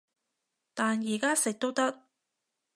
但而家食都得